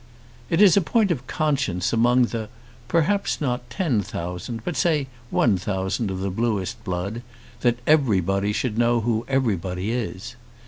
It is a point of conscience among the perhaps not ten thousand, but say one thousand of bluest blood, that everybody should know who everybody is.